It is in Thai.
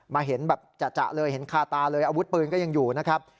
เห็นแบบจะเลยเห็นคาตาเลยอาวุธปืนก็ยังอยู่นะครับ